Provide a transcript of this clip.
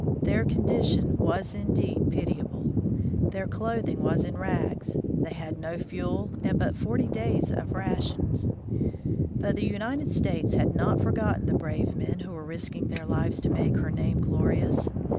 Their condition was indeed pitiable ; their clothing was in rags, they had no fuel and but forty days' rations. But the United States had not forgotten the brave men who were risking their lives to make her name glorious.